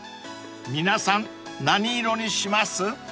［皆さん何色にします？］